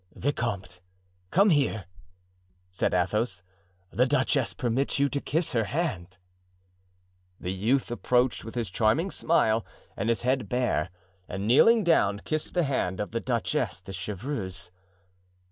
"Vicomte, come here," said Athos; "the duchess permits you to kiss her hand." The youth approached with his charming smile and his head bare, and kneeling down, kissed the hand of the Duchess de Chevreuse.